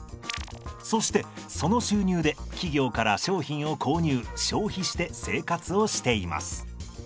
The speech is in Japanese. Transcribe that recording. そしてその収入で企業から商品を購入消費して生活をしています。